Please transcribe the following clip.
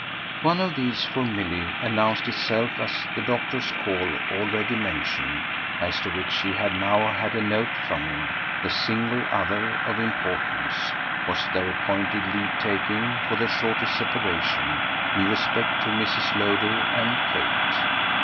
One of these, for Milly, announced itself as the doctor's call already mentioned, as to which she had now had a note from him: the single other, of importance, was their appointed leave taking for the shortest separation in respect to Mrs. Lowder and Kate.